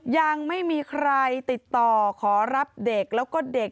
ยังไม่มีใครติดต่อขอรับเด็กแล้วก็เด็ก